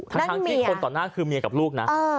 ทั้งที่คนต่อหน้าคือเมียกับลูกนะ